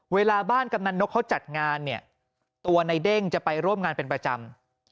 เวลาบ้านกำนันนกเขาจัดงานเนี่ยตัวในเด้งจะไปร่วมงานเป็นประจำ